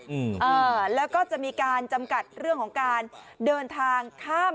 อืมอ่าแล้วก็จะมีการจำกัดเรื่องของการเดินทางข้าม